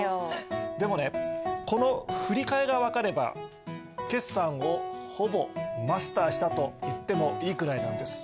でもねこの振り替えが分かれば決算をほぼマスターしたといってもいいくらいなんです。